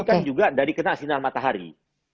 itu kan juga dari kena sinar matahari